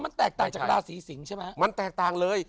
มันแตกต่างจากราศีสิงศ์ใช่ไหมมันแตกต่างเลย